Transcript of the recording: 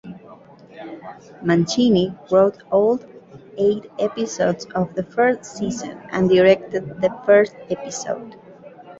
Mancini wrote all eight episodes of the first season and directed the first episode.